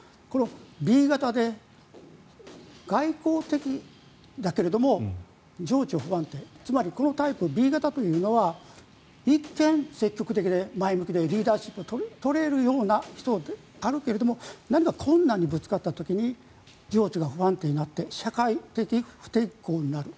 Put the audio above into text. Ｂ型で外向的だけれども情緒不安定、つまりこのタイプＢ型というのは一見、積極的で前向きでリーダーシップが取れるような人であるけれど何か困難にぶつかった時に情緒が不安定になって社会的不適合になる。